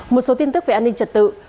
một số tin tức về an ninh trật tự